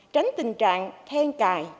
tránh tình trạng then cài